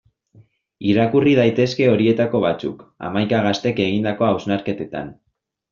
Irakurri daitezke horietako batzuk, hamaika gaztek egindako hausnarketetan.